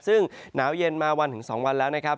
ซึ่งหนาวเย็นมาวันถึง๒วันแล้วนะครับ